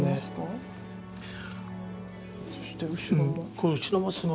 そして後ろも。